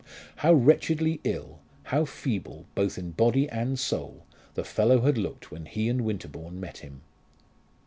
How wretchedly ill, how feeble, both in body and soul, the fellow had looked when he and Winterbourne met him!